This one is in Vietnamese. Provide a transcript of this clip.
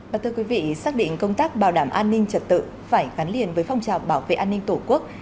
và thưa quý vị xác định công tác bảo đảm an ninh trật tự phải gắn liền với phong trào bảo vệ an ninh tổ quốc